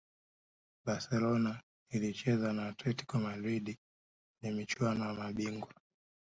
Barcelona ilicheza na Atletico Madrid kwenye michuano ya mabingwa